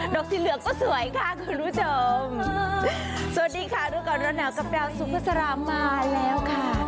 กที่เหลือก็สวยค่ะคุณผู้ชมสวัสดีค่ะดูก่อนร้อนหนาวกับดาวสุภาษามาแล้วค่ะ